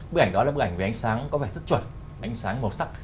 bức ảnh đó là bức ảnh về ánh sáng có vẻ rất chuẩn ánh sáng màu sắc